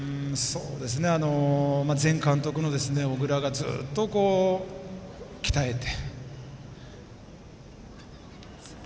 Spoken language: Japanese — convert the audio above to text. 前監督の小倉が、ずっと鍛えて。